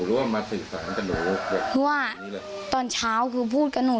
หรือว่ามาสื่อฝันมันจะโดยว่าตอนเช้าคือพูดกับหนู